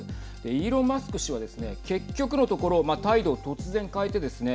イーロン・マスク氏は結局のところ態度を突然変えてですね